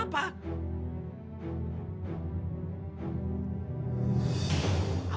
ibu mau mencari lintang